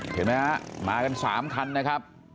เห็นไหมฮะมากัน๓คันนะครับ